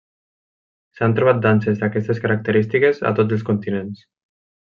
S'han trobat danses d'aquestes característiques a tots els continents.